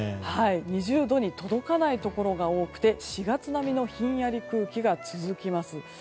２０度に届かないところが多くて４月並みのひんやり空気が続きます。